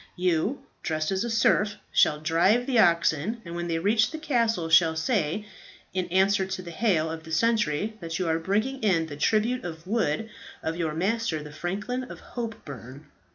You, dressed as a serf, shall drive the oxen, and when you reach the castle shall say, in answer to the hail of the sentry, that you are bringing in the tribute of wood of your master the franklin of Hopeburn.